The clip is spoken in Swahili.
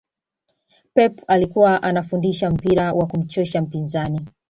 pep alikuwa anafundisha mpira wa kumchosha mpinzani